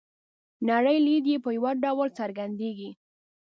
نړۍ لید یې په یوه ډول څرګندیږي.